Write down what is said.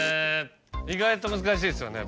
意外と難しいですよね。